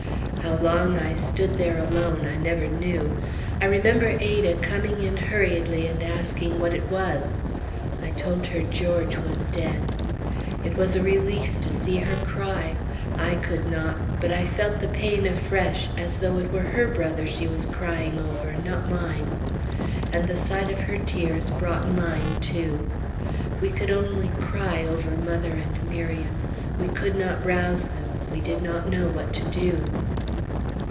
How long I stood there alone, I never knew. I remember Ada coming in hurriedly and asking what it was. I told her George was dead. It was a relief to see her cry. I could not; but I felt the pain afresh, as though it were her brother she was crying over, not mine. And the sight of her tears brought mine, too. We could only cry over mother and Miriam; we could not rouse them; we did not know what to do.